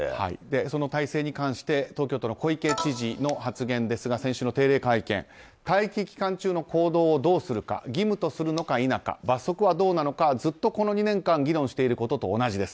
その体制に関して東京都の小池知事の発言ですが先週の定例会見待機期間中の行動をどうするか義務とするのか否か罰則はどうなのかずっとこの２年間議論していることと同じです。